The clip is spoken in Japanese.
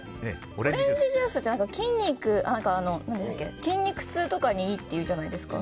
オレンジジュースって筋肉痛とかにいいっていうじゃないですか。